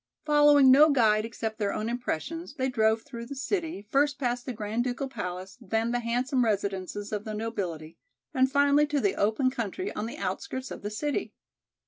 Following no guide except their own impressions they drove through the city, first past the Grand Ducal Palace then the handsome residences of the nobility and finally to the open country on the outskirts of the city.